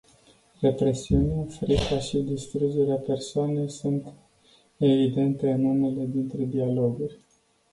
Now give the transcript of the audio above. Represiunea, frica și distrugerea persoanei sunt evidente în unele dintre dialoguri.